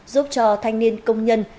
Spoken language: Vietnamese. giúp cho thanh niên công nhân